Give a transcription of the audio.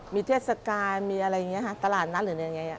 มีเทศกาลมีอะไรอย่างนี้ตลาดนั้นหรืออะไรอย่างนี้